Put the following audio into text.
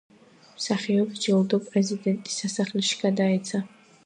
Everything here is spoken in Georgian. მსახიობს ჯილდო პრეზიდენტის სასახლეში გადაეცა.